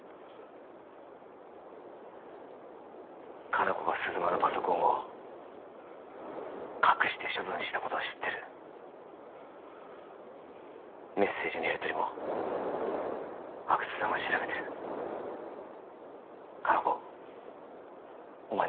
香菜子が鈴間のパソコンを隠して処分したことは知ってるメッセージのやりとりも阿久津さんは調べてる香菜子お前